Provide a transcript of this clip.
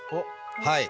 はい。